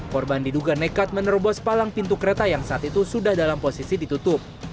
korban diduga nekat menerobos palang pintu kereta yang saat itu sudah dalam posisi ditutup